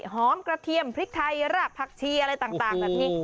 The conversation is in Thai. หอมกระเทียมพริกไทรผักเชียอะไรต่างแบบนี้